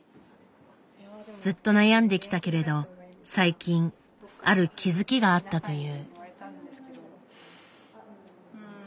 ずっと悩んできたけれど最近ある気付きがあったという。